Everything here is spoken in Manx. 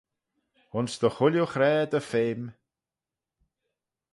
Ayns dy chooilley hraa dy feme.